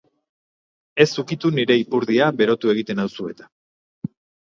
Ez ukitu nire ipurdia berotu egiten nauzu eta.